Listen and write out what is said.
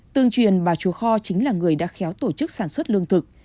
tương truyền bà chúa kho chính là người đã khéo tổ chức sản xuất lương thực